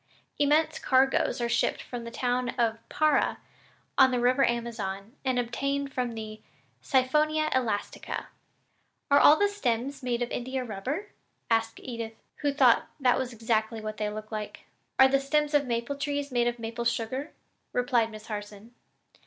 Immense cargoes are shipped from the town of Para, on the river Amazon, and obtained from the Siphonia elastica." "Are the stems all made of India rubber?" asked Edith, who thought that was exactly what they looked like. "Are the stems of the maple trees made of maple sugar?" replied Miss Harson.